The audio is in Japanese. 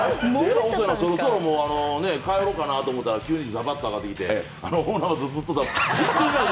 そろそろ帰ろうかなと思ったら急にザバッと上がってきてあれをズブッと。